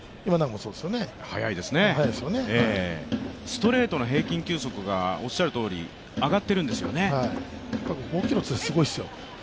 ストレートの平均球速がおっしゃるとおり上っているんですよね。